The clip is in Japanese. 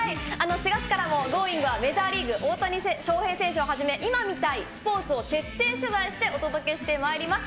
４月からもＧｏｉｎｇ！は、メジャーリーグ、大谷翔平選手をはじめ、今見たいスポーツを徹底取材してお届けしてまいります。